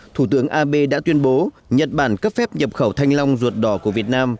thủ tướng abe đã tuyên bố nhật bản cấp phép nhập khẩu thanh long ruột đỏ của việt nam